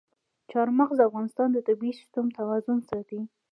چار مغز د افغانستان د طبعي سیسټم توازن ساتي.